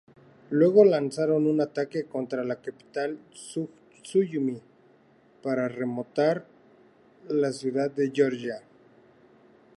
Luego lanzaron un ataque contra la capital, Sujumi, para retomar la ciudad para Georgia.